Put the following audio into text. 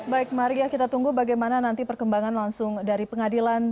baik maria kita tunggu bagaimana nanti perkembangan langsung dari pengadilan